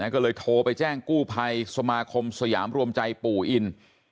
ก็เลยโทรไปแจ้งกู้ภัยสมาคมสยามรวมใจปู่อิน